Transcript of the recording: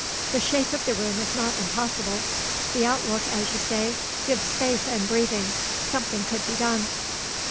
The shape of the room is not impossible; the outlook, as you say, gives space and breathing; something could be done."